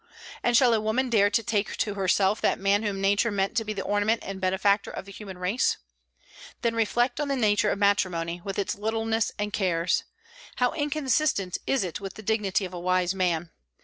And shall a woman dare to take to herself that man whom Nature meant to be the ornament and benefactor of the human race? Then reflect on the nature of matrimony, with its littleness and cares. How inconsistent it is with the dignity of a wise man!